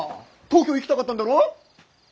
東京行きたかったんだろ？